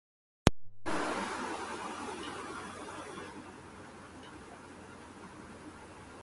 It is the only party in the Folketing that has a collective leadership.